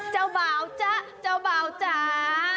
เจ้าบ่าวจ๊ะเจ้าบ่าวจ๋า